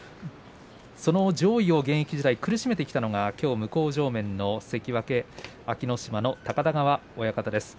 その上位を現役時代苦しめてきたのが向正面の関脇安芸乃島の高田川親方です。